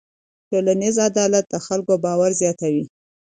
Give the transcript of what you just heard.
ټولنیز عدالت د خلکو باور زیاتوي.